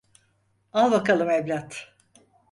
Al bakalım evlat.